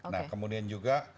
nah kemudian juga